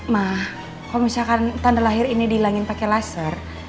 ma kalo misalkan tanda lahir ini di ilangin pake laser